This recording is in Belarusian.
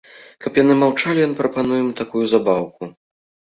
Каб яны маўчалі, ён прапануе ім такую забаўку.